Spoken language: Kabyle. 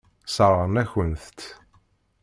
Sseṛɣen-akent-tt.